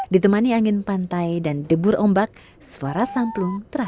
ditemani angin pantai dan debur ombak suara samplung terasa